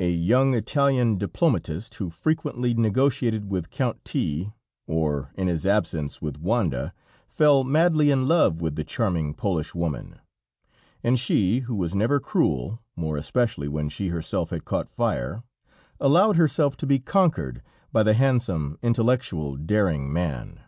A young Italian diplomatist, who frequently negotiated with Count T , or in his absence, with Wanda, fell madly in love with the charming Polish woman, and she, who was never cruel, more especially when she herself had caught fire, allowed herself to be conquered by the handsome, intellectual, daring man.